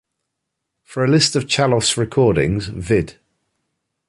For a list of Chaloff's recordings, "vid".